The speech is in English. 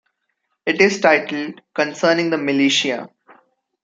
It is titled Concerning the Militia.